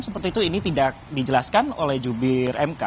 seperti itu ini tidak dijelaskan oleh jubir mk